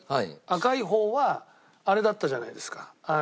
赤い方はあれだったじゃないですか。